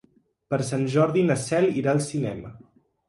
Per Sant Jordi na Cel irà al cinema.